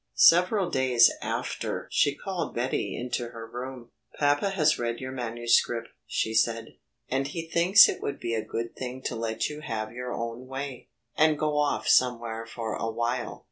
Several days after she called Betty into her room. "Papa has read your manuscript," she said, "and he thinks it would be a good thing to let you have your own way, and go off somewhere for awhile.